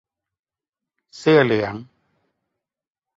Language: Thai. - เสื้อเหลือง